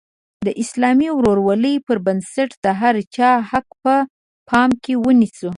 د اسلامي ورورولۍ پر بنسټ د هر چا حق په پام کې ونیسو.